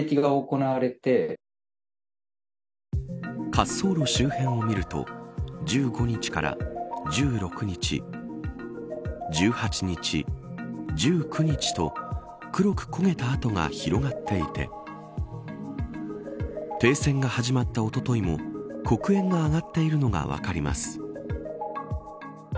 滑走路周辺を見ると１５日から１６日１８日、１９日と黒く焦げた跡が広がっていて停戦が始まったおとといも黒煙が上がっているのが分かります。